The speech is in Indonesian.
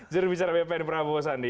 jurubicara bpn prabowo sandi